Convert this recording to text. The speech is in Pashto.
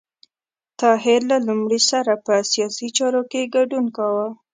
طاهر له لومړي سره په سیاسي چارو کې ګډون کاوه.